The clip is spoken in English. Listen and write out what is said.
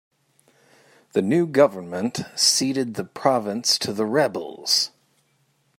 The new government ceded the province to the rebels.